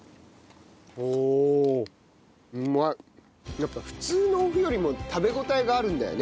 やっぱ普通のお麩よりも食べ応えがあるんだよね。